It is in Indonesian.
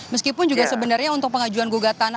meskipun juga sebenarnya untuk pengajuan gugatan